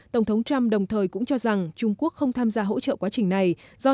tổng thống trump đồng thời cũng cho rằng trung quốc không tham gia hỗ trợ quá trình này do